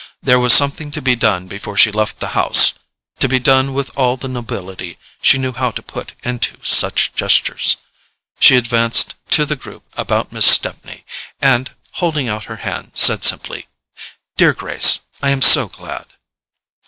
There was something to be done before she left the house: to be done with all the nobility she knew how to put into such gestures. She advanced to the group about Miss Stepney, and holding out her hand said simply: "Dear Grace, I am so glad."